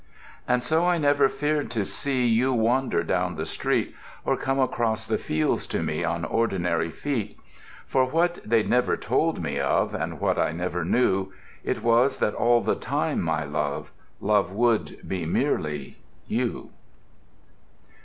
And so I never feared to see You wander down the street, Or come across the fields to me On ordinary feet. For what they'd never told me of, And what I never knew; It was that all the time, my love, Love would be merely you.